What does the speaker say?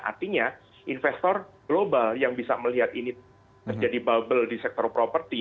artinya investor global yang bisa melihat ini terjadi bubble di sektor properti